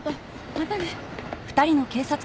またね。